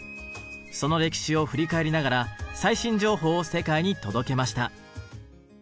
その歴史を振り返りながら最新情報を世界に届けました。